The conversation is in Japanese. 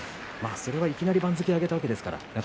いきなり番付を上げたわけですから。